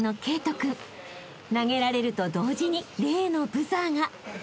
［投げられると同時に例のブザーが］